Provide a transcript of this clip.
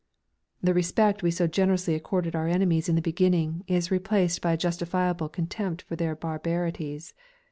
The respect we so generously accorded our enemies in the beginning is replaced by a justifiable contempt for their barbarities.